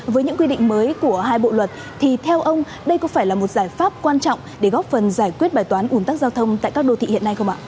với những quy định mới của hai bộ luật thì theo ông đây có phải là một giải pháp quan trọng để góp phần giải quyết bài toán ủn tắc giao thông tại các đô thị hiện nay không ạ